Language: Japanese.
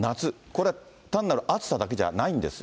これは単なる暑さだけじゃないんです。